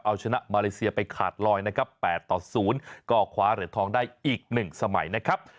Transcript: เอาชนะมาเลเซียไปขาดลอยนะครับ๘ต่อ๐ก็คว้าเหรียญทองได้อีก๑สมัยนะครับ